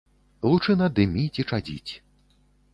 Лучына дыміць і чадзіць.